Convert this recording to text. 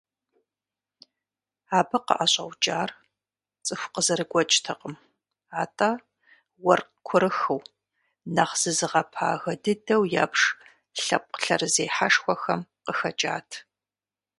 Абы къыӀэщӀэукӀар цӀыху къызэрыгуэкӀтэкъым, атӀэ уэркъ курыхыу, нэхъ зызыгъэпагэ дыдэу ябж лъэпкъ лъэрызехьэшхуэхэм къыхэкӀат.